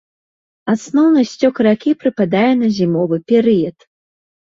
Асноўны сцёк ракі прыпадае на зімовы перыяд.